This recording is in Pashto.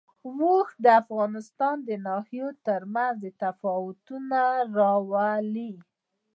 اوښ د افغانستان د ناحیو ترمنځ تفاوتونه راولي.